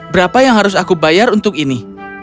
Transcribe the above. berapa yang harus aku bayar untuk ini